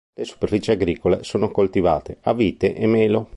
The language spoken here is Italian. Le superfici agricole sono coltivate a vite e melo.